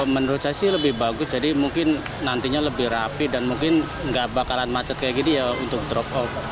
menurut saya sih lebih bagus jadi mungkin nantinya lebih rapi dan mungkin nggak bakalan macet kayak gini ya untuk drop off